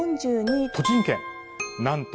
「栃木県なんと